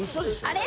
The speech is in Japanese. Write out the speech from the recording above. あれ？